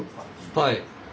はい。